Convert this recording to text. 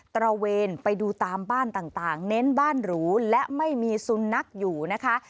ตระเวนไปดูตามบ้านต่างเน้นบ้านหรูและไม่มีสุนัขอยู่นะคะ